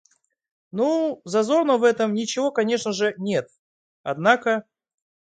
Ну, зазорного в этом ничего конечно же нет, однако...